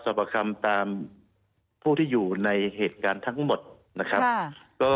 ประคำตามผู้ที่อยู่ในเหตุการณ์ทั้งหมดนะครับก็